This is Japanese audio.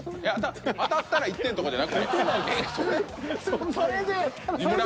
当たったら１点とかじゃなくて？